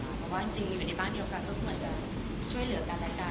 เพราะว่าจริงมีอยู่ในบ้านเดียวกันก็ควรจะช่วยเหลือกันและกัน